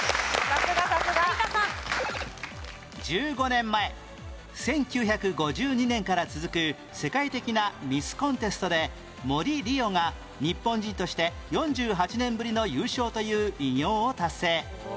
１５年前１９５２年から続く世界的なミスコンテストで森理世が日本人として４８年ぶりの優勝という偉業を達成